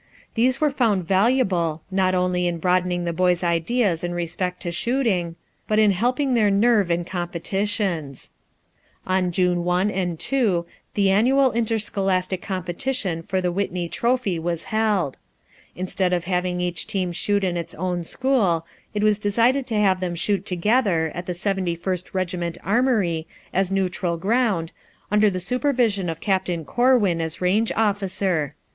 These were found valuable, not only in broadening the boys' ideas in respect to shooting, but in helping their nerve in competitions. On June 1 and 2 the annual interscholastic competition for the Whitney trophy was held. Instead of having each team shoot in its own school it was decided to have them shoot together at the Seventy first Regiment Armory as neutral ground, under the supervision of Captain Corwin as range officer.